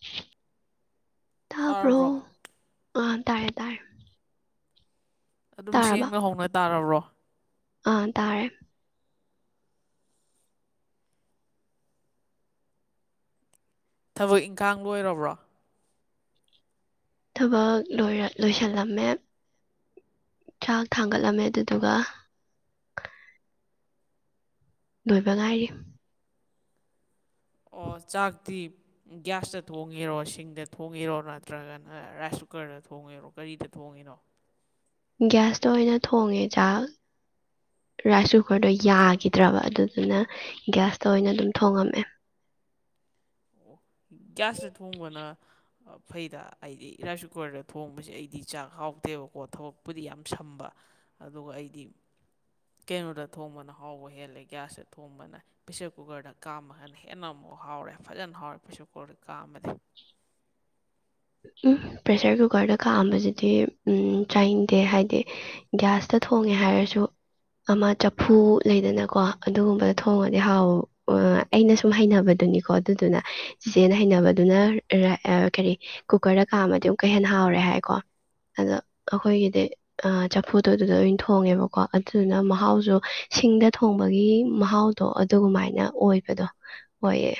[unintelligible] ꯇꯥꯕ꯭ꯔꯣ ꯇꯥꯔꯕ꯭ꯔꯣ ꯑꯥ ꯇꯥꯔꯦ ꯇꯥꯔꯦ ꯑꯗꯨꯝ ꯇꯥꯔꯕ ꯁꯦꯡꯅ ꯍꯧꯅ ꯇꯥꯔꯕ꯭ꯔꯣ ꯑꯥ ꯇꯥꯔꯦ ꯊꯕꯛ ꯏꯪꯈꯥꯡ ꯂꯣꯏꯔꯕ꯭ꯔꯣ ꯊꯕꯛ ꯂꯣꯏꯔ ꯂꯣꯏꯁꯤꯜꯂꯝꯃꯦ ꯆꯥꯛ ꯊꯥꯡꯒꯠꯂꯝꯃꯦ ꯑꯗꯨꯗꯨꯒ ꯂꯣꯏꯕ ꯉꯥꯏꯔꯤ ꯑꯣ ꯆꯥꯛꯇꯤ ꯒ꯭ꯌꯥꯁꯇ ꯊꯣꯡꯉꯤꯔꯣ ꯁꯤꯡꯗ ꯊꯣꯡꯉꯤꯔꯣ ꯅꯠꯇ꯭ꯔꯒꯅ ꯔꯥꯏꯁ ꯀꯨꯀꯔꯗ ꯊꯣꯡꯉꯤꯔꯣ ꯀꯔꯤꯗ ꯊꯣꯡꯉꯤꯅꯣ ꯒꯤꯌꯥꯁꯇ ꯑꯣꯏꯅ ꯊꯣꯡꯉꯦ ꯆꯥꯛ ꯔꯥꯏꯁ ꯀꯨꯀꯔꯗꯣ ꯌꯥꯈꯤꯗ꯭ꯔꯕ ꯑꯗꯨꯗꯨꯅ ꯒꯤꯌꯥꯁꯇ ꯑꯣꯏꯅ ꯑꯗꯨꯝ ꯊꯣꯡꯉꯝꯃꯦ ꯑꯣ ꯒꯌꯥ꯭ꯁꯇ ꯊꯣꯡꯕꯅ ꯐꯩꯗ ꯑꯩꯗꯤ ꯔꯥꯏ꯭ꯁ ꯀꯨꯀꯔꯗ ꯊꯣꯡꯕꯁꯦ ꯑꯩꯗꯤ ꯆꯥꯛ ꯍꯥꯎꯇꯦꯕꯀꯣ ꯊꯕꯛꯄꯨꯗꯤ ꯌꯥꯝ ꯁꯝꯕ ꯑꯗꯨꯒ ꯑꯩꯗꯤ ꯀꯩꯅꯣꯗ ꯊꯣꯡꯕꯅ ꯍꯥꯎꯕ ꯍꯦꯜꯂꯦ ꯒ꯭ꯌꯥꯁꯇ ꯊꯣꯡꯕꯅ ꯄ꯭ꯔꯦꯁꯔ ꯀꯨꯀꯔꯗ ꯀꯥꯝꯃꯒꯅ ꯍꯦꯟꯅ ꯑꯃꯨꯛꯥ ꯍꯥꯎꯔꯦ꯫ ꯐꯖꯅ ꯍꯥꯎꯔꯦ ꯄꯔ꯭ꯦꯁꯔ ꯀꯨꯀꯔꯗ ꯀꯥꯝꯃꯗꯤ ꯎꯝ ꯄ꯭ꯔꯦꯁꯔ ꯀꯨꯀꯔꯗ ꯀꯥꯝꯕꯖꯤꯗꯤ ꯆꯥꯅꯤꯡꯗꯦ ꯍꯥꯏꯗꯤ ꯒ꯭ꯌꯥꯁꯇ ꯊꯣꯡꯉꯦ ꯍꯥꯏꯔꯁꯨ ꯑꯃ ꯆꯐꯨ ꯂꯩꯗꯅꯀꯣ ꯑꯗꯨꯒꯨꯝꯕꯗ ꯊꯣꯡꯉꯗꯤ ꯍꯥꯎ ꯑꯩꯅ ꯁꯨꯝ ꯍꯩꯅꯕꯗꯨꯅꯤꯀꯣ ꯑꯗꯨꯗꯨꯅ ꯏꯆꯦꯅ ꯍꯩꯅꯕꯗꯨꯅ ꯔꯥꯏ ꯀꯔꯤ ꯀꯨꯀꯔꯗ ꯀꯥꯝꯃꯗꯤ ꯑꯃꯨꯛꯀ ꯍꯦꯟꯅ ꯍꯥꯎꯔꯦ ꯍꯥꯏꯀꯣ ꯑꯗꯨ ꯑꯩꯈꯣꯏꯒꯤꯗꯤ ꯆꯐꯨꯗꯣ ꯑꯗꯨꯗ ꯑꯣꯏꯅ ꯊꯣꯡꯉꯦꯕꯀꯣ ꯑꯗꯨꯗꯨꯅ ꯃꯍꯥꯎꯁꯨ ꯁꯤꯡꯗ ꯊꯣꯡꯕꯒꯤ ꯃꯍꯥꯎꯗꯣ ꯑꯗꯨꯃꯥꯏꯅ ꯑꯣꯏꯕꯗꯣ ꯑꯣꯏꯌꯦ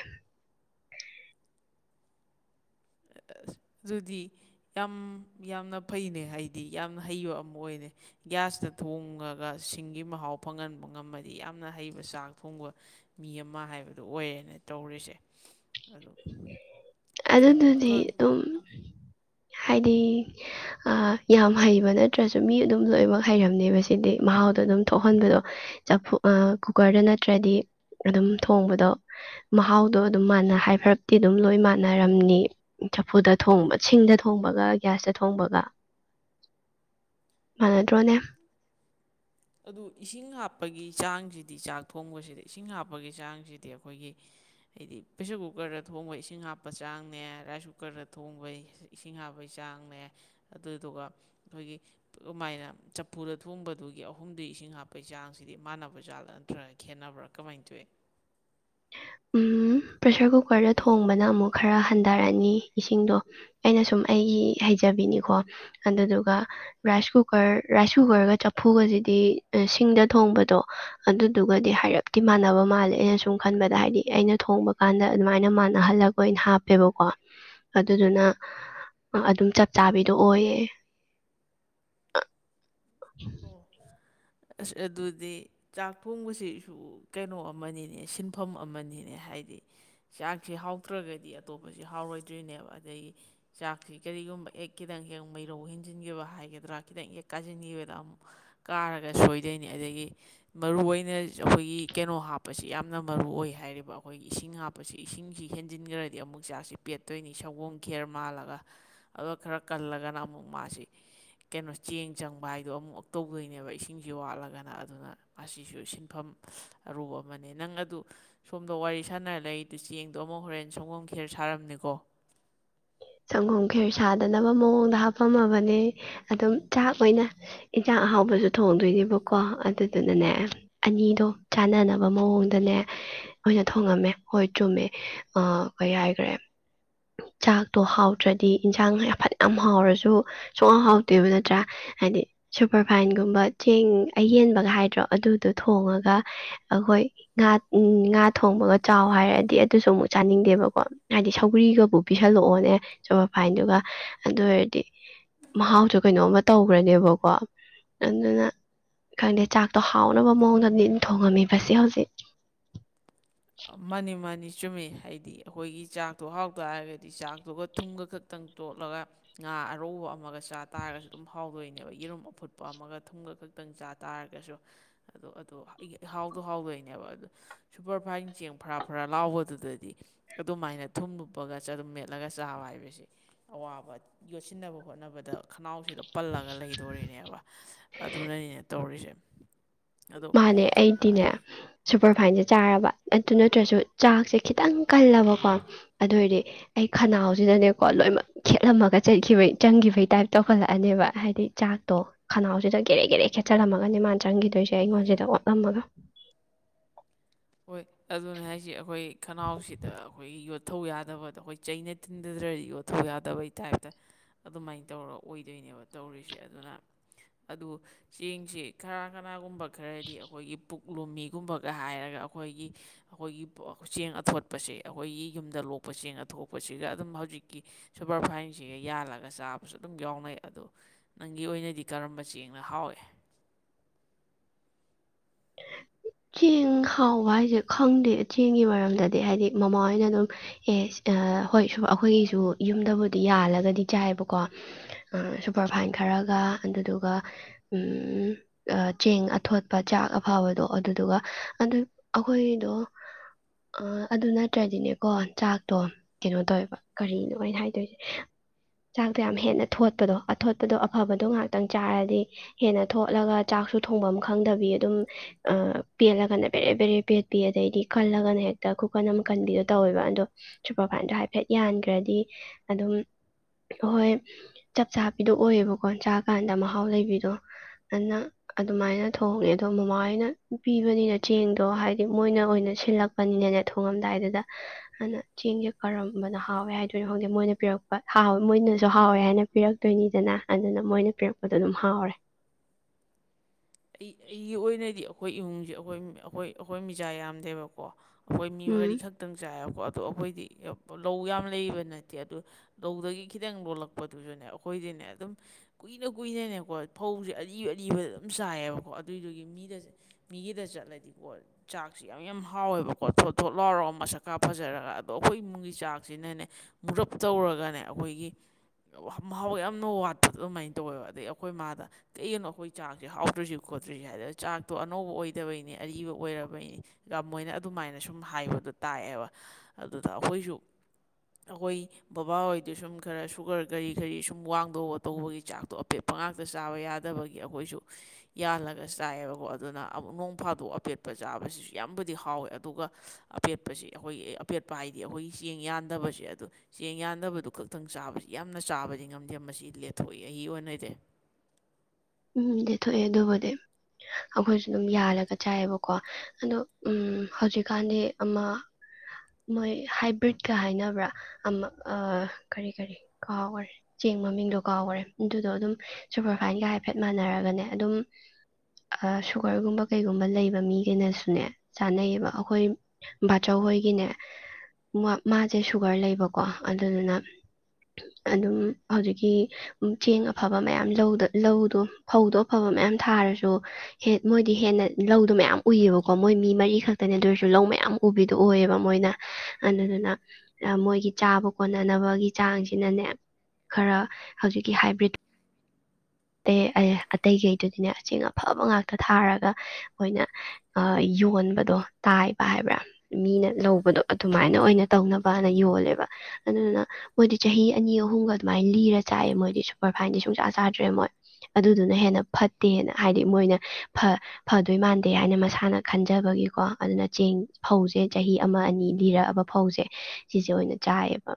ꯑꯗꯨꯗꯤ ꯌꯥꯝ ꯌꯥꯝꯅ ꯐꯩꯅꯦ ꯍꯥꯏꯗꯤ ꯌꯥꯝꯅ ꯍꯩꯕ ꯑꯃ ꯑꯣꯏꯅꯦ ꯒ꯭ꯌꯥꯁꯇ ꯊꯣꯡꯉꯒ ꯁꯤꯡꯒꯤ ꯃꯍꯥꯎ ꯐꯪꯍꯟꯕ ꯉꯝꯃꯗꯤ ꯌꯥꯝꯅ ꯍꯩꯕ ꯆꯥꯛ ꯊꯣꯡꯕ ꯃꯤ ꯑꯃ ꯍꯥꯏꯕꯗꯨ ꯑꯣꯏꯔꯦꯅꯦ ꯇꯧꯔꯤꯁꯦ ꯑꯗꯨ ꯀꯩꯅꯣ ꯑꯗꯨꯗꯨꯗꯤ ꯑꯩꯈꯣꯏ ꯑꯗꯨꯝ ꯍꯥꯏꯗꯤ ꯌꯥꯝ ꯍꯩꯕ ꯅꯠꯇ꯭ꯔꯁꯨ ꯃꯤ ꯑꯗꯨꯝ ꯂꯣꯏꯅꯃꯛ ꯍꯩꯔꯝꯅꯦꯕ ꯁꯤꯗꯤ ꯃꯍꯥꯎꯗꯣ ꯑꯗꯨꯝ ꯊꯣꯛꯍꯟꯕꯗꯣ ꯆꯐꯨ ꯑ ꯀꯨꯀꯔꯗ ꯅꯠꯇ꯭ꯔꯗꯤ ꯑꯗꯨꯝ ꯊꯣꯡꯕꯗꯣ ꯃꯍꯥꯎꯗꯣ ꯑꯗꯨꯝ ꯃꯥꯥꯟꯅ ꯍꯥꯏ ꯐꯔ꯭ꯠꯇꯤ ꯑꯗꯨꯝ ꯂꯣꯏ ꯃꯥꯟꯅꯔꯝꯅꯤ ꯆꯐꯨꯗ ꯊꯣꯡꯕ ꯁꯤꯡꯗ ꯊꯣꯡꯕꯒ ꯒ꯭ꯌꯥꯁꯇ ꯊꯣꯡꯕꯒ ꯃꯥꯟꯅꯗ꯭ꯔꯣꯅꯦ ꯑꯗꯨ ꯏꯁꯤꯡ ꯍꯥꯞꯄꯒꯤ ꯆꯥꯡꯁꯤꯗꯤ ꯆꯥꯛ ꯊꯣꯡꯕꯁꯤꯗꯤ ꯏꯁꯤꯡ ꯍꯥꯞꯄꯒꯤ ꯆꯥꯡꯁꯤꯗꯤ ꯑꯩꯈꯣꯏꯒꯤ ꯍꯥꯏꯗꯤ ꯄ꯭ꯔꯦꯁꯔ ꯀꯨꯀꯔꯗ ꯊꯣꯡꯕ ꯏꯁꯤꯡ ꯍꯥꯞꯄ ꯆꯥꯡꯅꯦ ꯔꯥꯏꯁ ꯀꯨꯀꯔꯗ ꯊꯣꯡꯕꯩ ꯏꯁꯤꯡ ꯍꯥꯞꯄꯒꯤ ꯆꯥꯡꯅꯦ ꯑꯗꯨꯗꯨꯒ ꯑꯩꯈꯣꯏꯒꯤ ꯑꯗꯨꯃꯥꯏꯅ ꯆꯐꯨꯗ ꯊꯣꯡꯕꯗꯨꯒꯤ ꯑ ꯑꯍꯨꯝꯗꯨꯏ ꯏꯁꯤꯡ ꯍꯥꯞꯄꯩ ꯆꯥꯡꯁꯤꯗꯤ ꯃꯥꯟꯅꯕ ꯖꯥꯠꯂꯥ ꯅꯠꯇ꯭ꯔꯒ ꯈꯦꯠꯅꯕ꯭ꯔꯥ ꯀꯃꯥꯏꯅ ꯇꯧꯏ ꯎꯝ ꯄ꯭ꯔꯦꯁꯔ ꯀꯨꯀꯔꯗ ꯊꯣꯡꯕꯅ ꯑꯃꯨꯛ ꯈꯔ ꯍꯟꯊꯔꯅꯤ ꯏꯁꯤꯡꯗꯣ ꯑꯩꯅ ꯁꯨꯝ ꯑꯩꯒꯤ ꯍꯩꯖꯕꯤꯅꯤꯀꯣ ꯑꯗꯨꯗꯨꯒ ꯔꯥꯏꯁ ꯀꯨꯀꯔ ꯔꯥꯏꯁ ꯀꯨꯀꯔꯒ ꯆꯐꯨꯒꯁꯤꯗꯤ ꯁꯤꯡꯗ ꯊꯣꯡꯕꯗꯣ ꯑꯗꯨꯗꯨꯒꯗꯤ ꯍꯥꯏꯔꯞꯇꯤ ꯃꯥꯟꯅꯕ ꯃꯥꯜꯂꯦ ꯑꯩꯅ ꯁꯨꯝ ꯈꯟꯕ ꯑꯗ ꯍꯥꯏꯗꯤ ꯑꯩꯅ ꯊꯣꯡꯕ ꯀꯥꯟꯗ ꯑꯗꯨꯃꯥꯏꯅ ꯃꯥꯟꯅꯍꯜꯂꯒ ꯑꯣꯏꯅ ꯍꯥꯞꯄꯦꯕꯀꯣ ꯑꯗꯨꯗꯨꯅ ꯑꯗꯨꯝ ꯆꯞ ꯆꯥꯕꯤꯗꯣ ꯑꯣꯏꯌꯦ ꯑꯣ ꯑꯁ ꯑꯗꯨꯗꯤ ꯆꯥꯛ ꯊꯣꯡꯕꯁꯤꯁꯨ ꯀꯩꯅꯣ ꯑꯃꯅꯤꯅꯦ ꯁꯤꯟꯐꯝ ꯑꯃꯅꯤꯅꯦ ꯍꯥꯏꯗꯤ ꯆꯥꯛꯁꯤ ꯍꯥꯎꯇ꯭ꯔꯒꯗꯤ ꯑꯇꯣꯞꯄꯁꯤ ꯍꯥꯎꯔꯣꯏꯗ꯭ꯣꯏꯅꯦꯕ ꯑꯗꯩ ꯆꯥꯛꯁꯤ ꯀꯔꯤꯒꯨꯝꯕ ꯍꯦꯛ ꯈꯤꯇꯪ ꯍꯦꯛ ꯃꯩꯔꯧ ꯍꯦꯟꯖꯤꯟꯈꯤꯕ ꯍꯥꯏꯒꯗ꯭ꯔꯥ ꯈꯤꯇꯪ ꯍꯦꯛ ꯀꯥꯁꯤꯟꯈꯤꯕꯗ ꯑꯃꯨꯛ ꯀꯥꯔꯒ ꯁꯣꯏꯗꯣꯏꯅꯤ ꯑꯗꯒꯤ ꯃꯔꯨ ꯑꯣꯏꯅ ꯑꯩꯈꯣꯏꯒꯤ ꯀꯩꯅꯣ ꯍꯥꯞꯄꯁꯤ ꯌꯥꯝꯅ ꯃꯔꯨ ꯑꯣꯏ ꯍꯥꯏꯔꯤꯕ ꯑꯩꯈꯣꯏꯒꯤ ꯏꯁꯤꯡ ꯍꯥꯞꯄꯁꯤ ꯏꯁꯤꯡꯁꯤ ꯍꯦꯟꯖꯤꯟꯈ꯭ꯔꯗꯤ ꯑꯃꯨꯛ ꯆꯥꯛꯁꯤ ꯄꯦꯠꯇꯣꯏꯅꯤ ꯁꯒꯣꯝ ꯈꯦꯔ ꯃꯥꯜꯂꯒ ꯑꯗꯨꯒ ꯈꯔ ꯀꯜꯂꯒꯅ ꯑꯃꯨꯛ ꯃꯥꯁꯤ ꯀꯩꯅꯣ ꯆꯦꯡ ꯆꯪꯕ ꯍꯥꯏꯗꯣ ꯑꯃꯨꯛ ꯇꯧꯗꯣꯏꯅꯦꯕ ꯏꯁꯤꯡꯁꯤ ꯋꯥꯠꯂꯒꯅ ꯑꯗꯨꯅ ꯑꯁꯤꯁꯨ ꯁꯤꯟꯐꯝ ꯑꯔꯨꯕ ꯑꯃꯅꯦ ꯅꯪ ꯑꯗꯨ ꯁꯣꯝꯗ ꯋꯥꯔꯤ ꯁꯥꯟꯅꯔ ꯂꯩꯗꯨ ꯆꯦꯡꯗꯣ ꯑꯃꯨꯛ ꯍꯣꯔꯦꯟ ꯁꯪꯒꯣꯝ ꯈꯦꯔ ꯁꯥꯔꯝꯅꯤꯀꯣ ꯁꯪꯒꯣꯝ ꯈꯦꯔ ꯁꯥꯗꯅꯕ ꯃꯑꯣꯡꯗ ꯍꯥꯞꯄꯝꯃꯕꯅꯦ ꯑꯗꯨꯝ ꯆꯥꯛ ꯑꯣꯏꯅ ꯑꯦꯟꯁꯥꯡ ꯑꯍꯥꯎꯕꯁꯨ ꯊꯣꯡꯗꯣꯏꯅꯦꯕꯀꯣ ꯑꯗꯨꯗꯨꯅꯅꯦ ꯑꯅꯤꯗꯣ ꯆꯥꯟꯅꯅꯕ ꯃꯑꯣꯡꯗꯅꯦ ꯑꯣꯏꯅ ꯊꯣꯡꯉꯝꯃꯦ ꯍꯣꯏ ꯆꯨꯝꯃꯦ ꯀꯩ ꯍꯥꯏꯈ꯭ꯔꯦ ꯆꯥꯛ ꯇꯣ ꯍꯥꯎꯗ꯭ꯔꯗꯤ ꯏꯟꯁꯥꯡ ꯌꯥꯐꯠ ꯌꯥꯝ ꯍꯥꯎꯔꯁꯨ ꯁꯨꯡꯉꯥꯎ ꯍꯥꯎꯇꯦꯕ ꯅꯠꯇ꯭ꯔꯥ ꯍꯥꯏꯗꯤ ꯁꯨꯄꯔꯐꯥꯏꯟꯒꯨꯝꯕ ꯆꯦꯡ ꯑꯌꯦꯟꯕꯒ ꯍꯥꯏꯗ꯭ꯔꯣ ꯑꯗꯨꯗꯣ ꯊꯣꯡꯉꯒ ꯑꯩꯈꯣꯏ ꯉꯥ ꯉꯥ ꯊꯣꯡꯕꯒ ꯆꯥꯎ ꯍꯥꯏꯔꯗꯤ ꯑꯗꯨꯁꯨ ꯑꯃꯨꯛ ꯆꯥꯅꯤꯡꯗꯦꯕꯀꯣ ꯍꯥꯏꯗꯤ ꯁꯧꯒ꯭ꯔꯤꯒꯕꯨ ꯄꯤꯁꯜꯂꯛꯑꯣ ꯁꯨꯄꯔ ꯐꯥꯏ꯭ꯟꯗꯨꯒ ꯑꯗꯨ ꯑꯣꯏꯔꯗꯤ ꯃꯍꯥꯎꯗꯣ ꯀꯩꯅꯣꯝꯃ ꯇꯧꯈ꯭ꯔꯅꯦꯕꯀꯣ ꯑꯗꯨꯅ ꯈꯪꯗꯦ ꯆꯥꯛꯇꯣ ꯍꯥꯎꯅꯕ ꯃꯑꯣꯡꯗꯅꯤ ꯑꯩꯅ ꯊꯣꯡꯉꯝꯃꯤꯕꯁꯤ ꯍꯧꯖꯤꯛ ꯃꯥꯅꯤ ꯃꯥꯅꯤ ꯆꯨꯝꯃꯤ ꯍꯥꯏꯗꯤ ꯑꯩꯈꯣꯏꯒꯤ ꯆꯥꯛꯇꯣ ꯍꯥꯎꯇꯥꯔꯒꯗꯤ ꯆꯥꯛꯇꯨꯒ ꯊꯨꯝꯒ ꯈꯛꯇꯪ ꯇꯣꯠꯂꯒ ꯉꯥ ꯑꯔꯧꯕ ꯑꯃꯒ ꯆꯥ ꯇꯥꯔꯒꯁꯨ ꯑꯗꯨꯝ ꯍꯥꯎꯗꯣꯏꯅꯦꯕ ꯌꯦꯔꯨꯝ ꯑꯐꯨꯠꯄ ꯑꯃꯒ ꯊꯨꯝꯒ ꯈꯛꯇꯪ ꯆꯥ ꯇꯥꯔꯒꯁꯨ ꯑꯗꯨ ꯑꯗꯨ ꯍꯥꯎꯗꯣ ꯍꯥꯎꯗꯣꯏꯅꯦꯕ ꯑꯗꯨ ꯁꯨꯄꯔꯚꯥꯏꯟ ꯆꯦꯡ ꯐꯔꯥ ꯐꯔꯥ ꯂꯥꯎꯕꯗꯨꯗꯗꯤ ꯑꯗꯨꯃꯥꯏꯅ ꯊꯨꯝ ꯂꯨꯞꯄꯒ ꯆꯗꯨꯝ ꯃꯦꯠꯂꯒ ꯆꯥꯕ ꯍꯥꯏꯕꯁꯦ ꯑꯋꯥꯕ ꯌꯣꯠꯁꯤꯟꯅꯕ ꯍꯣꯠꯅꯕꯗ ꯈꯅꯥꯎꯁꯤꯗꯣ ꯄꯜꯂꯒ ꯂꯩꯗꯣꯔꯤꯅꯦꯕ ꯑꯗꯨꯅꯅꯤꯅꯦ ꯇꯧꯔꯤꯁꯦ ꯑꯗꯣ ꯃꯥꯅꯦ ꯑꯩꯗꯤꯅꯦ ꯁꯨꯄꯔ ꯐꯥꯏ꯭ꯟꯁꯦ ꯆꯥꯔꯕ ꯑꯗꯨ ꯅꯠꯇ꯭ꯔꯁꯨ ꯆꯥꯛꯁꯦ ꯈꯤꯇꯪ ꯀꯜꯂꯕꯀꯣ ꯑꯗꯨ ꯑꯣꯏꯔꯗꯤ ꯑꯩ ꯈꯅꯥꯎꯁꯤꯗꯅꯦꯀꯣ ꯂꯣꯏꯅꯃꯛ ꯈꯦꯠꯂꯝꯃꯒ ꯆꯩꯠꯈꯤꯕꯩ ꯆꯪꯈꯤꯕꯩ ꯇꯥꯏ꯭ꯞ ꯇꯧꯈꯠꯂꯛꯑꯅꯦꯕ ꯍꯥꯏꯗꯤ ꯆꯥꯛꯇꯣ ꯈꯅꯥꯎꯁꯤꯗ ꯒꯦꯔꯦ ꯒꯦꯔꯦ ꯈꯦꯠꯆꯜꯂꯝꯃꯒꯅꯦ ꯃꯥꯅ ꯆꯪꯈꯤꯗꯣꯏꯁꯦ ꯑꯩꯉꯣꯟꯁꯤꯗ ꯑꯣꯠꯂꯝꯃꯥꯒ ꯍꯣꯏ ꯑꯗꯨꯅꯦ ꯍꯥꯏꯁꯦ ꯑꯩꯈꯣꯏ ꯈꯅꯥꯎꯁꯤꯗ ꯑꯩꯈꯣꯏꯒꯤ ꯌꯣꯠ ꯌꯣꯊꯧ ꯌꯥꯗꯕꯗꯣ ꯑꯩꯈꯣꯏ ꯆꯩꯅ ꯇꯤꯟꯊꯗ꯭ꯔꯗꯤ ꯌꯣꯊꯧ ꯌꯥꯗꯕꯩ ꯇꯥꯏ꯭ꯞꯇ ꯑꯗꯨꯃꯥꯏꯅ ꯇꯧꯔ ꯑꯣꯏꯗꯣꯏꯅꯦꯕ ꯇꯧꯔꯤꯁꯦ ꯑꯗꯨꯅ ꯑꯗꯨ ꯆꯦꯡꯁꯤ ꯀꯅꯥ ꯀꯅꯥꯒꯨꯝꯕ ꯈꯔꯗꯤ ꯑꯩꯈꯣꯏꯒꯤ ꯄꯨꯛ ꯂꯣꯃꯤꯒꯨꯝꯕꯒ ꯍꯥꯏꯔꯒ ꯑꯩꯈꯣꯏꯒꯤ ꯑꯩꯈꯣꯏꯒꯤ ꯆꯦꯡ ꯑꯊꯣꯠꯄꯁꯦ ꯑꯩꯈꯣꯏꯒꯤ ꯌꯨꯝꯗ ꯂꯣꯛꯄ ꯆꯦꯡ ꯑꯊꯣꯛꯄꯁꯤꯒ ꯑꯗꯨꯝ ꯍꯧꯖꯤꯛꯀꯤ ꯁꯨꯄꯔꯐꯥꯏꯟꯁꯤꯒ ꯌꯥꯜꯂꯒ ꯆꯥꯕꯁꯨ ꯑꯗꯨꯝ ꯌꯥꯎꯅꯩ ꯑꯗꯣ ꯅꯪꯒꯤ ꯑꯣꯏꯅꯗꯤ ꯀꯔꯝꯕ ꯆꯦꯡꯅ ꯍꯥꯎꯋꯦ ꯆꯦꯡ ꯍꯥꯎꯕ ꯍꯥꯏꯁꯦ ꯈꯪꯗꯦ ꯆꯦꯡꯒꯤ ꯃꯔꯝꯗꯗꯤ ꯍꯥꯏꯗꯤ ꯃꯃꯥ ꯍꯣꯏꯅ ꯑꯗꯨꯝ ꯑꯦ ꯁꯤꯗ ꯍꯣꯏ ꯑꯩꯈꯣꯏꯒꯤꯁꯨ ꯌꯨꯝꯗꯕꯨꯗꯤ ꯌꯥꯜꯂꯒꯗꯤ ꯆꯥꯏꯕꯀꯣ ꯑ ꯁꯨꯄꯔꯐꯥꯏꯟ ꯈꯔꯒ ꯑꯗꯨꯗꯨꯒ ꯎꯝꯠꯆꯦꯡ ꯑꯊꯣꯠꯄ ꯆꯥꯛ ꯐꯕꯗꯣ ꯑꯗꯨꯗꯨꯒ ꯑꯗꯨ ꯑꯩꯈꯣꯏꯒꯤꯗꯣ ꯑꯗꯨ ꯅꯠꯇ꯭ꯔꯗꯤꯅꯦꯀꯣ ꯆꯥꯛꯇꯣ ꯀꯩꯅꯣ ꯇꯧꯋꯦꯕ ꯀꯔꯤꯅꯣ ꯑꯣꯏꯅ ꯍꯥꯏꯗꯣꯏꯁꯦ ꯆꯥꯛꯇꯣ ꯌꯥꯝ ꯍꯦꯟꯅ ꯊꯣꯠꯄꯗꯣ ꯑꯊꯣꯠꯄꯗꯣ ꯑꯐꯕꯗꯣ ꯉꯍꯥꯛꯇꯪ ꯆꯥꯔꯗꯤ ꯍꯦꯟꯅ ꯊꯣꯠꯂꯒ ꯆꯥꯛꯁꯨ ꯊꯣꯡꯐꯝ ꯈꯪꯗꯕꯤ ꯑꯗꯨꯝ ꯄꯦꯠꯂꯒꯅ ꯕꯦꯔꯦ ꯕꯦꯔꯦ ꯄꯦꯠꯄꯤ ꯑꯗꯩꯗꯤ ꯈꯜꯂꯒꯅ ꯍꯦꯛꯇ ꯀꯨꯀꯟ ꯑꯃ ꯈꯟꯕꯤꯗꯣ ꯇꯧꯋꯦꯕ ꯑꯗꯣ ꯁꯨꯄꯔꯐꯥꯏꯟꯗ ꯍꯥꯏꯐꯦꯠ ꯌꯥꯟꯈ꯭ꯔꯗꯤ ꯑꯗꯨꯝ ꯍꯣꯏ ꯆꯞ ꯆꯥꯕꯤꯗꯣ ꯑꯣꯏꯑꯦꯕꯀꯣ ꯆꯥꯛꯀꯥꯟꯗ ꯃꯍꯥꯎ ꯂꯩꯕꯤꯗꯣ ꯑꯗꯨꯅ ꯑꯗꯨꯃꯥꯏꯅ ꯊꯣꯡꯉꯦ ꯑꯣ ꯃꯃꯥ ꯍꯣꯏꯅ ꯄꯤꯕꯅꯤꯅ ꯆꯦꯡꯗꯣ ꯍꯥꯏꯗꯤ ꯃꯣꯏꯅ ꯑꯣꯏꯅ ꯁꯤꯜꯂꯛꯄꯅꯤꯅꯅꯦ ꯊꯣꯡꯉꯝꯗꯥꯏꯗꯨꯗ ꯑꯗꯨꯅ ꯆꯦꯡꯁꯦ ꯀꯔꯝꯕꯅ ꯍꯥꯎꯋꯦ ꯍꯥꯏꯗꯣꯏꯅꯣ ꯈꯪꯗꯦ ꯃꯣꯏꯅ ꯄꯤꯔꯛꯄ ꯃꯣꯏꯅꯁꯨ ꯍꯥꯎꯋꯦ ꯍꯥꯏꯅ ꯄꯤꯔꯛꯇꯣꯏꯅꯤꯗꯅ ꯑꯗꯨꯅ ꯃꯣꯏꯅ ꯄꯤꯔꯛꯄꯗꯣ ꯑꯗꯨꯝ ꯍꯥꯎꯔꯦ ꯑꯩ ꯑꯩꯒꯤ ꯑꯣꯏꯅꯗꯤ ꯗꯤ ꯑꯩꯈꯣꯏ ꯏꯃꯨꯡꯁꯤ ꯑꯩꯈꯣꯏ ꯑꯩꯈꯣꯏ ꯑꯩꯈꯣꯏ ꯃꯤꯆꯥ ꯌꯥꯝꯗꯦꯕꯀꯣ ꯑꯩꯈꯣꯏ ꯃꯤ ꯃꯔꯤ ꯎꯝ ꯈꯛꯇꯪ ꯆꯥꯏꯌꯦꯕꯀꯣ ꯑꯗꯣ ꯑꯩꯈꯣꯏꯗꯤ ꯂꯧ ꯌꯥꯝ ꯂꯩꯕ ꯅꯠꯇꯦ ꯑꯗꯨ ꯂꯧꯗꯒꯤ ꯈꯤꯇꯪ ꯂꯣꯜꯂꯛꯄꯗꯨꯁꯨꯅꯦ ꯑꯩꯈꯣꯏꯗꯤꯅꯦ ꯑꯗꯨꯝ ꯀꯨꯏꯅ ꯀꯨꯏꯅꯅꯦꯀꯣ ꯐꯧꯖꯦ ꯑꯔꯤꯕ ꯑꯔꯤꯕ ꯑꯗꯨꯝ ꯆꯥꯏꯌꯦꯕꯀꯣ ꯑꯗꯨꯏꯗꯨꯒꯤ ꯃꯤꯗ ꯆ ꯃꯤꯒꯤꯗ ꯆꯠꯂꯗꯤꯀꯣ ꯆꯥꯛꯁꯦ ꯌꯥꯝ ꯌꯥꯝ ꯍꯥꯎꯋꯦꯕꯀꯣ ꯊꯣꯠ ꯊꯣꯠ ꯂꯥꯎꯔꯒ ꯃꯁꯛꯀꯥ ꯐꯖꯔꯒ ꯑꯗꯣ ꯑꯩꯈꯣꯏ ꯏꯃꯨꯡꯒꯤ ꯆꯥꯛꯁꯤꯅꯅꯦ ꯃꯨꯔꯞ ꯇꯧꯔꯒꯅꯦ ꯑꯩꯈꯣꯏꯒꯤ ꯃꯍꯥꯎ ꯌꯥꯝꯅ ꯋꯥꯠꯄꯗꯣ ꯑꯗꯨꯃꯥꯏꯅ ꯇꯧꯋꯦꯕ ꯑꯗꯩ ꯑꯩꯈꯣꯏ ꯃꯥꯗ ꯀꯩꯒꯤꯅꯣ ꯑꯩꯈꯣꯏ ꯆꯥꯛ ꯁꯦ ꯍꯥꯎꯗ꯭ꯔꯤꯁꯤ ꯈꯣꯠꯇ꯭ꯔꯤꯁꯤ ꯍꯥꯏꯗ ꯆꯥꯛꯇꯣ ꯑꯅꯧꯕ ꯑꯣꯏꯗꯕꯩꯅꯤ ꯑꯔꯤꯕ ꯑꯣꯏꯔꯕꯩꯅꯤ ꯑꯥ ꯃꯣꯏꯅ ꯑꯗꯨꯃꯥꯏꯅ ꯁꯨꯝ ꯍꯥꯏꯕꯗꯣ ꯇꯥꯛꯑꯦꯕ ꯑꯗꯨꯗ ꯑꯩꯈꯣꯏꯁꯨ ꯑꯩꯈꯣꯏ ꯕꯕꯥꯍꯣꯏꯗꯨ ꯁꯨꯝ ꯈꯔ ꯁꯨꯒꯔ ꯀꯔꯤ ꯀꯔꯤ ꯁꯨꯝ ꯋꯥꯡꯗꯧꯕ ꯇꯧꯕꯒꯤ ꯆꯥꯛꯇꯣ ꯑꯄꯦꯠꯄ ꯉꯥꯛꯇ ꯆꯥꯕ ꯌꯥꯗꯕꯒꯤ ꯑꯩꯈꯣꯏꯁꯨ ꯌꯥꯜꯂꯒ ꯆꯥꯏꯌꯦꯕꯀꯣ ꯑꯗꯨꯅ ꯑꯃꯨꯛ ꯅꯣꯡ ꯐꯥꯗꯣꯛ ꯑꯄꯦꯠꯄ ꯆꯥꯕꯁꯤꯁꯨ ꯌꯥꯝꯕꯨꯗꯤ ꯍꯥꯎꯋꯦ ꯑꯗꯨꯒ ꯑꯄꯦꯠꯄꯁ ꯑꯩꯈꯣꯏꯒꯤ ꯑꯄꯦꯠꯄ ꯍꯥꯏꯗꯤ ꯑꯩꯈꯣꯏꯒꯤ ꯆꯦꯡ ꯌꯥꯟꯗꯕꯁꯦ ꯑꯗꯨ ꯆꯦꯡ ꯌꯥꯟꯗꯕꯗꯨ ꯈꯛꯇꯪ ꯆꯥꯕꯁꯤ ꯌꯥꯝꯅ ꯆꯥꯕꯗꯤ ꯉꯝꯗꯦ ꯃꯁꯤ ꯂꯦꯊꯣꯛꯏ ꯑꯩ ꯑꯣꯏꯅꯗꯤ ꯎꯝ ꯂꯦꯊꯣꯛꯑꯦ ꯑꯗꯨꯕꯨꯗꯤ ꯑꯩꯈꯣꯏꯁꯨ ꯑꯗꯨꯝ ꯌꯥꯜꯂꯒ ꯆꯥꯏꯌꯦꯕꯀꯣ ꯑꯗꯣ ꯎꯝ ꯍꯧꯖꯤꯛꯀꯥꯟꯗꯤ ꯑꯃ ꯃꯣꯏ ꯍꯥꯏꯕ꯭ꯔꯤꯠꯀ ꯍꯥꯏꯅꯕ꯭ꯔꯥ ꯑꯃ ꯑꯥ ꯀꯔꯤ ꯀꯔꯤ ꯀꯥꯎꯒꯔꯦ ꯆꯦꯡ ꯃꯃꯤꯡꯗꯨ ꯀꯥꯎꯒꯔꯦ ꯑꯗꯨꯗꯣ ꯑꯗꯨꯝ ꯁꯨꯄꯔꯐꯥꯏꯟꯅꯦꯒ ꯍꯥꯏꯕ ꯍꯥꯏꯐꯦꯠ ꯃꯥꯟꯅꯔꯒꯅꯦ ꯑꯗꯨꯝ ꯁꯨꯒꯔꯒꯨꯝꯕ ꯀꯩꯒꯨꯝꯕ ꯂꯩꯕ ꯃꯤꯒꯩꯅꯁꯨꯅꯦ ꯆꯥꯅꯩꯌꯦꯕ ꯑꯩꯈꯣꯏ ꯕꯥꯆꯧ ꯍꯣꯏꯒꯤꯅꯦ ꯃꯥ ꯃꯥꯁꯦ ꯁꯨꯒꯔ ꯂꯩꯕꯀꯣ ꯑꯗꯨꯗꯨꯅ ꯑꯗꯨꯝ ꯍꯧꯖꯤꯛꯀꯤ ꯎꯝ ꯆꯦꯡ ꯑꯐꯕ ꯃꯌꯥꯝ ꯂꯧꯗ ꯂꯧ ꯑꯗꯨ ꯐꯧꯗꯣ ꯑꯐꯕ ꯃꯌꯥꯝ ꯊꯥꯔꯁꯨ ꯍꯦ ꯃꯣꯏꯗꯤ ꯍꯦꯟꯅ ꯂꯧꯗꯣ ꯃꯌꯥꯝ ꯎꯏꯌꯦꯕꯀꯣ ꯃꯣꯏ ꯃꯤ ꯃꯔꯤ ꯈꯛꯇꯅꯦ ꯑꯗꯨ ꯑꯣꯏꯔꯁꯨ ꯂꯧ ꯃꯌꯥꯝ ꯎꯕꯤꯗꯣ ꯑꯣꯏꯌꯦꯕ ꯃꯣꯏꯅ ꯑꯗꯨꯗꯨꯅ ꯑ ꯃꯣꯏꯒꯤ ꯆꯥꯕ ꯀꯣꯟꯅꯅꯕꯒꯤ ꯆꯥꯡꯁꯤꯅꯅꯦ ꯈꯔ ꯍꯧꯖꯤꯛꯀꯤ ꯍꯥꯏꯕ꯭ꯔꯤꯠ ꯇꯩ ꯑꯌꯦ ꯑꯇꯩꯒꯩꯗꯨꯗꯤꯅꯦ ꯆꯦꯡ ꯑꯐꯕ ꯉꯥꯛꯇ ꯊꯥꯔꯒ ꯑꯣꯏꯅ ꯑ ꯌꯣꯟꯕꯗꯣ ꯇꯥꯏꯕ ꯍꯥꯏꯕ꯭ꯔꯥ ꯃꯤꯅ ꯂꯧꯕꯗꯣ ꯑꯗꯨꯃꯥꯏꯅ ꯑꯣꯏꯅ ꯇꯧꯅꯕꯅ ꯌꯣꯜꯂꯦꯕ ꯑꯗꯨꯗꯨꯅ ꯃꯣꯏꯗꯤ ꯆꯍꯤ ꯑꯅꯤ ꯑꯍꯨꯝꯒ ꯑꯗꯨꯃꯥꯏꯅ ꯂꯤꯔ ꯆꯥꯏꯌꯦ ꯃꯣꯏꯗꯤ ꯁꯨꯄꯔ ꯐꯥꯏꯟꯗꯤ ꯁꯨꯡꯁꯥ ꯆꯥꯗ꯭ꯔꯦ ꯃꯣꯏ ꯑꯗꯨꯗꯨꯅ ꯍꯦꯟꯅ ꯐꯠꯇꯦꯅ ꯍꯥꯏꯗꯤ ꯃꯣꯏꯅ ꯐ ꯐꯗꯣꯏ ꯃꯥꯟꯗꯦ ꯍꯥꯏꯅ ꯃꯁꯥꯅ ꯈꯟꯖꯕꯒꯤꯀꯣ ꯑꯗꯨꯅ ꯆꯦꯡ ꯐꯧꯁꯦ ꯆꯍꯤ ꯑꯃ ꯑꯅꯤ ꯂꯤꯔꯛꯑꯕ ꯐꯧꯁꯦ ꯁꯤꯁꯦ ꯑꯣꯏꯅ ꯆꯥꯏꯌꯦꯕ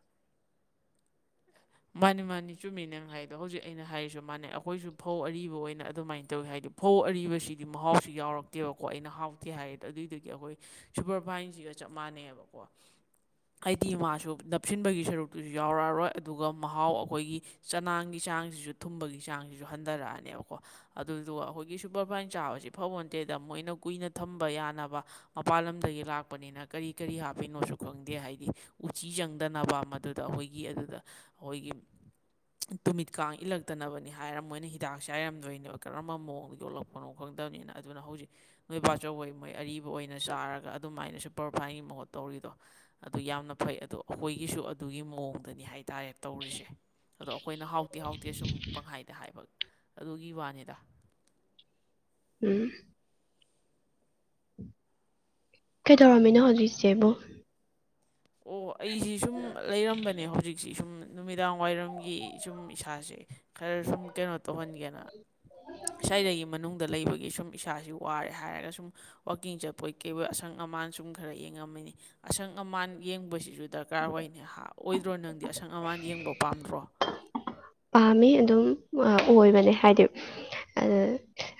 ꯃꯥꯅꯤ ꯃꯥꯅꯤ ꯆꯨꯝꯃꯤ ꯆꯅꯪꯍꯥꯏꯗꯣ ꯍꯧꯖꯤꯛ ꯑꯩꯅ ꯍꯥꯏꯔꯤꯁꯨ ꯃꯥꯅꯩ ꯑꯩꯈꯣꯏꯁꯨ ꯐꯧ ꯑꯔꯤꯕ ꯑꯣꯏꯅ ꯑꯗꯨꯃꯥꯏꯅ ꯇꯧꯋꯤ ꯍꯥꯏꯗꯤ ꯐꯧ ꯑꯔꯤꯕꯁꯤꯗꯤ ꯃꯍꯥꯎꯁꯨ ꯌꯥꯎꯔꯛꯇꯦꯕꯀꯣ ꯑꯩꯅ ꯍꯥꯎꯇꯦ ꯍꯥꯏꯔꯤꯗꯣ ꯑꯗꯨꯏꯗꯒꯤ ꯑꯩꯈꯣꯏ ꯁꯨꯄꯔꯐꯥꯏꯟꯁꯤꯒ ꯆꯞ ꯃꯥꯟꯅꯩꯌꯦꯕꯀꯣ ꯍꯥꯏꯗꯤ ꯃꯥꯁꯨ ꯅꯞꯁꯤꯟꯕꯒꯤ ꯁꯔꯨꯛꯇꯨꯁꯨ ꯌꯥꯎꯔꯛꯑꯔꯣꯏ ꯑꯗꯨꯒ ꯃꯍꯥꯎ ꯑꯩꯈꯣꯏꯒꯤ ꯆꯅꯥꯡꯒꯤ ꯆꯥꯡꯁꯤꯁꯨ ꯊꯨꯝꯕꯒꯤ ꯆꯥꯡꯁꯤꯁꯨ ꯍꯟꯊꯔꯛꯑꯅꯦꯕꯀꯣ ꯑꯗꯨꯗꯨꯒ ꯑꯩꯈꯣꯏꯒꯤ ꯁꯨꯄꯔꯐꯥꯏꯟ ꯆꯥꯕꯁꯤ ꯐꯕꯣꯟꯇꯦꯗ ꯃꯣꯏꯅ ꯀꯨꯏꯅ ꯊꯝꯕ ꯌꯥꯅꯕ ꯃꯄꯥꯟ ꯂꯝꯗꯒꯤ ꯂꯥꯛꯄꯅꯤꯅ ꯀꯔꯤ ꯀꯔꯤ ꯍꯥꯞꯄꯤꯅꯣꯁꯨ ꯈꯪꯗꯦ ꯍꯥꯏꯗꯤ ꯎꯆꯤ ꯆꯪꯗꯅꯕ ꯃꯗꯨꯗ ꯑꯩꯈꯣꯏꯒꯤ ꯑꯗꯨꯗ ꯑꯩꯈꯣꯏꯒꯤ ꯇꯨꯃꯤꯠ ꯀꯥꯡ ꯏꯜꯂꯛꯇꯅꯕꯅꯤ ꯍꯥꯏꯔ ꯃꯣꯏꯅ ꯍꯤꯗꯥꯛ ꯆꯥꯏꯔꯝꯗꯣꯏꯅꯦꯕ ꯀꯔꯝꯕ ꯃꯑꯣꯡꯗ ꯌꯣꯛꯂꯛꯄꯅꯣ ꯈꯪꯗꯝꯅꯤꯅ ꯑꯗꯨꯅ ꯍꯧꯖꯤꯛ ꯅꯣꯏꯕꯥꯆꯧꯕꯍꯣꯏ ꯃꯣꯏ ꯑꯔꯤꯕ ꯑꯣꯏꯅ ꯆꯥꯔꯒ ꯑꯗꯨꯃꯥꯏꯅ ꯁꯨꯄꯔꯐꯥꯏꯟꯒꯤ ꯃꯍꯨꯠ ꯇꯧꯔꯤꯗꯣ ꯑꯗꯨ ꯌꯥꯝꯅ ꯐꯩ ꯑꯗꯣ ꯑꯩꯈꯣꯏꯒꯤꯁꯨ ꯑꯗꯨꯒꯤ ꯃꯑꯣꯡꯗꯅꯤ ꯍꯥꯏꯗꯤ ꯗꯥꯏꯔꯦꯛ ꯇꯧꯔꯤꯁꯦ ꯑꯗꯣ ꯑꯩꯈꯣꯏꯅ ꯍꯥꯎꯇꯦ ꯍꯥꯎꯇꯦ ꯁꯨꯝ ꯄꯪꯍꯥꯏꯗ ꯍꯥꯏꯕ ꯑꯗꯨꯒꯤ ꯋꯥꯅꯤꯗ ꯎꯝ ꯀꯩꯗꯧꯔꯝꯃꯤꯅꯣ ꯍꯧꯖꯤꯛ ꯆꯦꯕꯨ ꯑꯣ ꯑꯩꯁꯤ ꯁꯨꯝ ꯂꯩꯔꯝꯕꯅꯦ ꯍꯧꯖꯤꯛꯁꯤ ꯁꯨꯝ ꯅꯨꯃꯤꯗꯥꯡ ꯋꯥꯏꯔꯝꯒꯤ ꯁꯨꯝ ꯏꯁꯥꯁꯦ ꯈꯔ ꯁꯨꯝ ꯀꯩꯅꯣ ꯇꯧꯍꯟꯒꯦꯅ ꯉꯁꯥꯏꯗꯒꯤ ꯃꯅꯨꯡꯗ ꯂꯩꯕꯒꯤ ꯁꯨꯝ ꯏꯁꯥꯁꯤ ꯋꯥꯔꯦ ꯍꯥꯏꯔꯒ ꯁꯨꯝ ꯋꯥꯛꯀꯤꯡ ꯆꯠꯄꯣꯏ ꯀꯩꯕꯣꯏ ꯑꯁꯪ ꯑꯃꯥꯟ ꯁꯨꯝ ꯈꯔ ꯌꯦꯡꯉꯝꯃꯤꯅꯤ ꯑꯁꯪ ꯑꯃꯥꯟ ꯌꯦꯡꯕꯁꯤꯁꯨ ꯗꯔꯀꯥꯔ ꯑꯣꯏꯅꯦ ꯍꯥ ꯑꯣꯏꯗ꯭ꯔꯣ ꯅꯪꯗꯤ ꯑꯁꯪ ꯑꯃꯥꯟ ꯌꯦꯡꯕ ꯄꯥꯝꯗ꯭ꯔꯣ ꯄꯥꯝꯃꯤ ꯑꯗꯨꯝ ꯑ ꯑꯣꯏꯕꯅꯦ ꯍꯥꯏꯗꯤ ꯑꯗꯨ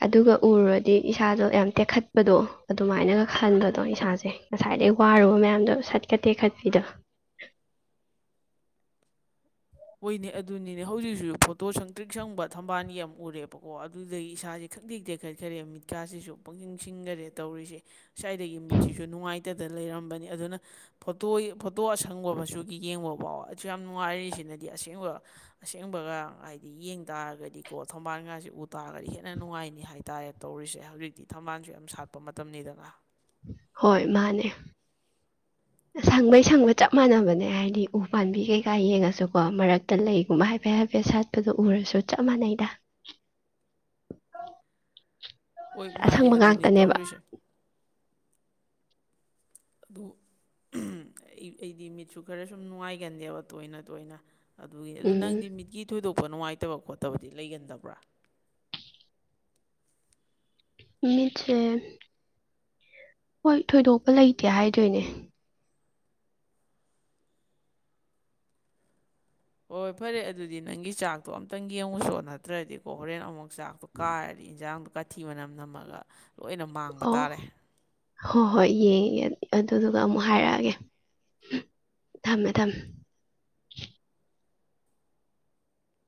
ꯑꯗꯨꯒ ꯎꯔꯨꯔꯗꯤ ꯏꯁꯥꯗꯣ ꯌꯥꯝ ꯇꯦꯛꯈꯠꯄꯗꯣ ꯑꯗꯨꯃꯥꯏꯅꯒ ꯈꯟꯕꯗꯣ ꯏꯁꯥꯁꯦ ꯉꯁꯥꯏꯗꯩ ꯋꯥꯔꯨꯕ ꯃꯌꯥꯝꯗꯣ ꯁꯠꯀ ꯇꯦꯛꯈꯠꯄꯤꯗ ꯑꯣꯏꯅꯦ ꯑꯗꯨꯅꯤꯅꯦ ꯍꯧꯖꯤꯛꯁꯨ ꯐꯣꯇꯣ ꯁꯪ ꯇ꯭ꯔꯤꯛ ꯁꯪꯕ ꯊꯝꯕꯥꯜꯒꯤ ꯑꯃ ꯎꯔꯦꯕꯀꯣ ꯑꯗꯨꯗꯒꯤ ꯏꯁꯥꯁꯦ ꯈꯪꯇꯛ ꯇꯦꯛꯈꯠꯈꯔꯦ ꯃꯤꯠꯀꯥꯁꯤꯁꯨ ꯄꯪꯁꯤꯡ ꯁꯤꯡꯒꯔꯦ ꯇꯧꯔꯤꯁꯤ ꯁꯥꯏꯗꯒꯤ ꯃꯤꯠꯁꯤꯁꯨ ꯅꯨꯡꯉꯥꯏꯇꯗꯅ ꯂꯩꯔꯝꯕꯅꯤ ꯑꯗꯨꯅ ꯐꯣꯇꯣ ꯐꯣꯇꯣ ꯑꯁꯪꯕ ꯃꯆꯨꯒꯤ ꯌꯦꯡꯕ ꯐꯥꯎ ꯑꯁꯨꯛꯌꯥꯝ ꯅꯨꯡꯉꯥꯏꯔꯤꯁꯤꯅꯗꯤ ꯍꯥꯏꯗꯤ ꯑꯁꯦꯡꯕ ꯑꯁꯦꯡꯕꯒ ꯍꯥꯏꯗꯤ ꯌꯦꯡ ꯇꯥꯔꯒꯗꯤꯀꯣ ꯊꯝꯕꯥꯜꯒꯥꯁꯦ ꯎ ꯇꯥꯔꯒꯗꯤ ꯍꯦꯟꯅ ꯅꯨꯡꯉꯥꯏꯅꯤ ꯍꯥꯏꯇꯥꯔꯦ ꯇꯧꯔꯤꯁꯤ ꯍꯧꯖꯤꯛꯇꯤ ꯊꯝꯕꯥꯜꯁꯨ ꯌꯥꯝ ꯁꯥꯠꯄ ꯃꯇꯝꯅꯤꯗꯅ ꯍꯣꯏ ꯃꯥꯅꯦ ꯁꯪꯕꯩ ꯁꯪꯕ ꯆꯞ ꯃꯥꯟꯅꯕꯅꯦ ꯍꯥꯏꯗꯤ ꯎ ꯄꯥꯝꯕꯤ ꯀꯩꯀꯥ ꯌꯦꯡꯉꯁꯨꯀꯣ ꯃꯔꯛꯇ ꯂꯩꯒꯨꯝꯕ ꯍꯥꯏꯐꯦꯠ ꯍꯥꯏꯐꯦꯠ ꯁꯥꯠꯄꯗꯣ ꯎꯔꯁꯨ ꯆꯞ ꯃꯥꯟꯅꯩꯗ ꯍꯣꯏ ꯃꯥꯅꯤ ꯑꯁꯪꯕ ꯑꯗꯨꯅꯤ ꯉꯥꯛꯇꯅꯦꯕ ꯇꯧꯔꯤꯁꯤ ꯑꯗꯨ ꯑꯝ ꯑꯩꯗꯤ ꯃꯤꯠꯁꯨ ꯈꯔ ꯁꯨꯝ ꯅꯨꯡꯉꯥꯏꯒꯟꯗꯦꯕ ꯇꯣꯏꯅ ꯇꯣꯏꯅ ꯑꯗꯨꯒꯤ ꯑꯗꯨ ꯎꯝ ꯅꯪꯗꯤ ꯃꯤꯠꯀꯤ ꯊꯣꯏꯗꯣꯛ ꯄ ꯅꯨꯡꯉꯥꯏꯇꯕ ꯈꯣꯠꯇꯕꯗꯤ ꯂꯩꯒꯟꯗꯕ꯭ꯔꯥ ꯃꯤꯊꯦ ꯍꯣꯏ ꯊꯣꯏꯗꯣꯛꯄ ꯂꯩꯇꯦ ꯍꯥꯏꯗꯣꯏꯅꯦ ꯍꯣꯏ ꯍꯣꯏ ꯐꯔꯦ ꯑꯗꯨꯗꯤ ꯅꯪꯒꯤ ꯆꯥꯛꯇꯣ ꯑꯝꯇꯪ ꯌꯦꯡꯉꯨꯆꯣ ꯅꯠꯇ꯭ꯔꯗꯤꯀꯣ ꯍꯣꯔꯦꯟ ꯑꯃꯨꯛ ꯆꯥꯛꯇꯣ ꯀꯥꯔꯗꯤ ꯏꯟꯖꯥꯡꯗꯨ ꯀꯊꯤ ꯃꯅꯝ ꯅꯝꯃꯒ ꯂꯣꯏꯅ ꯃꯥꯡꯕ ꯑꯣ ꯇꯥꯔꯦ ꯍꯣꯏ ꯍꯣꯏ ꯌꯦꯡꯉꯤꯒꯦ ꯑꯗꯨꯗꯨꯒ ꯑꯃꯨꯛ ꯍꯥꯏꯔꯛꯑꯒꯦ ꯊꯝꯃꯦ ꯊꯝꯃꯦ